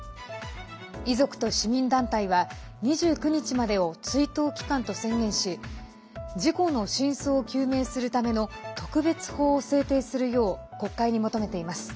遺族と市民団体は２９日までを追悼期間と宣言し事故の真相を究明するための特別法を制定するよう国会に求めています。